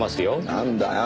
なんだよ。